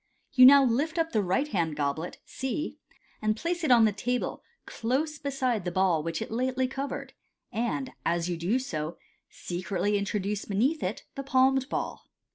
You now lift up the right hand goblet (C), and place it on the table close beside the ball which it lately covered, and as you do so, secretly introduce beneath it the palmed ball.